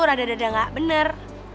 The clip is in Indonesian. rada rada gak bener